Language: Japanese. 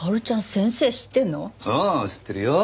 ああ知ってるよ。